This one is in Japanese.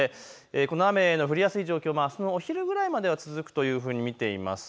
この雨の降りやすい状況、あすのお昼ぐらいまで続くと見ています。